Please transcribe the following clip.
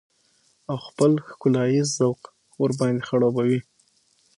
او خپل ښکلاييز ذوق ورباندې خړوبه وي.